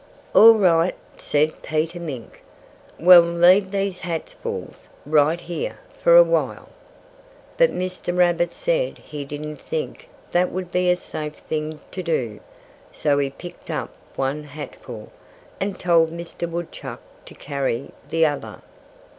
"All right!" said Peter Mink. "Well leave these hatfuls right here for a while." But Mr. Rabbit said he didn't think that would be a safe thing to do. So he picked up one hatful, and told Mr. Woodchuck to carry the other.